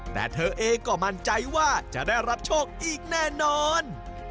แต่เธอเองก็มั่นใจว่าจะได้รับโชคอีกแน่นอน